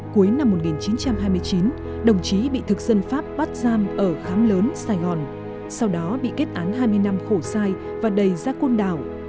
cuối năm một nghìn chín trăm hai mươi chín đồng chí bị thực dân pháp bắt giam ở khám lớn sài gòn sau đó bị kết án hai mươi năm khổ sai và đầy ra côn đảo